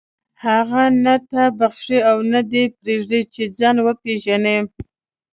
هغه نه تا بخښي او نه دې پرېږدي چې ځان وپېژنې.